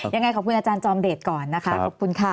ยังไงขอบคุณอาจารย์จอมเดตก่อนนะคะ